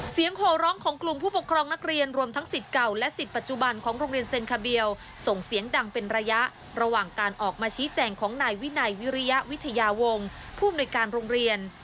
โหร้องของกลุ่มผู้ปกครองนักเรียนรวมทั้งสิทธิ์เก่าและสิทธิปัจจุบันของโรงเรียนเซ็นคาเบียลส่งเสียงดังเป็นระยะระหว่างการออกมาชี้แจงของนายวินัยวิริยวิทยาวงศ์ผู้อำนวยการโรงเรียน